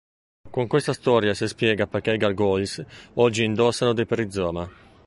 Con questa storia si spiega perché i gargoyles, oggi, indossano dei perizoma.